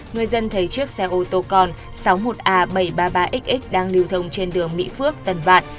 người dân thấy chiếc xe ô tô con sáu mươi một a bảy trăm ba mươi ba x đang lưu thông trên đường mỹ phước tân vạn